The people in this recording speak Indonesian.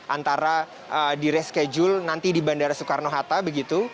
antara di reschedule nanti di bandara soekarno hatta begitu